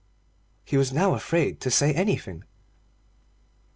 He was now afraid to say anything.